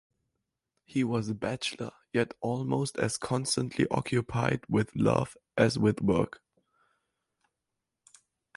He was a bachelor, yet almost as constantly occupied with love as with work.